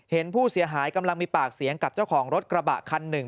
เห็นผู้เสียหายกำลังมีปากเสียงกับเจ้าของรถกระบะคันหนึ่ง